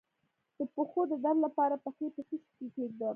د پښو د درد لپاره پښې په څه شي کې کیږدم؟